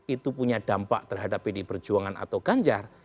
itu punya dampak terhadap pd perjuangan atau ganjar